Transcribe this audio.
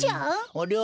ありゃ？